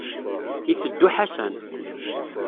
Iteddu Ḥasan.